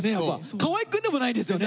河合くんでもないんですよね。